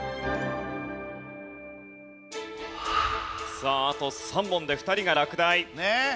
さああと３問で２人が落第。